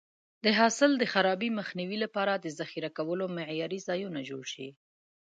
د حاصل د خرابي مخنیوي لپاره د ذخیره کولو معیاري ځایونه جوړ شي.